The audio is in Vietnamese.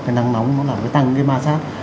cái nắng nóng nó làm cái tăng cái ma sát